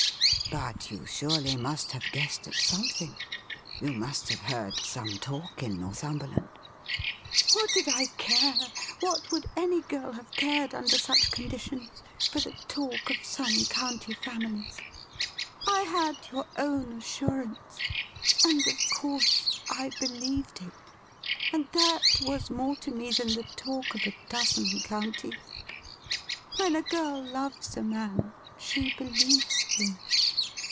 But you surely must have guessed at something ? You must have heard some talk in Northumberland ?' What did I care — what would any girl have cared under such conditions — for the talk of some county families ? I had yotu own assurance, and, of course, I believed it — and that was more to me than the talk of a dozen counties. When a girl loves a man she believes him.'